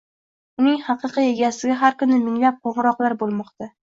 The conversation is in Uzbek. Uning haqiqiy egasiga har kuni minglab qo‘ng‘iroqlar bo‘lmoqda